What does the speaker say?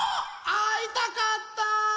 あいたかった！